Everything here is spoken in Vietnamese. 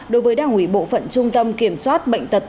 đối với đảng ubnd